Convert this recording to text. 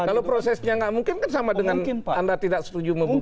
kalau prosesnya nggak mungkin kan sama dengan anda tidak setuju membuka